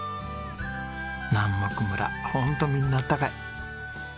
南牧村ホントみんなあったかい。